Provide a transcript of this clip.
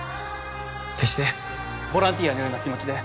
決してボランティアのような気持ちで